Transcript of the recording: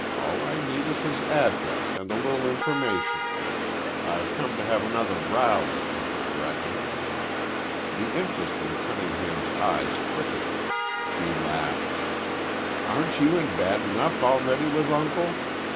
All I need is his address and a little information. I've come to have another row with him, I reckon." The interest in Cunningham's eyes quickened. He laughed. "Aren't you in bad enough already with Uncle?